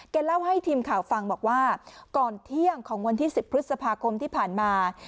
เล่าให้ทีมข่าวฟังบอกว่าก่อนเที่ยงของวันที่๑๐พฤษภาคมที่ผ่านมา